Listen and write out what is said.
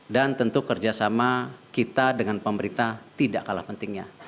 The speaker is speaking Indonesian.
dan tentu kerjasama kita dengan pemerintah tidak kalah pentingnya